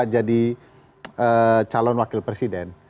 jadi calon wakil presiden